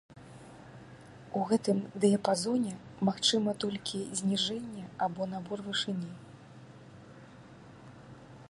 У гэтым дыяпазоне магчыма толькі зніжэнне або набор вышыні.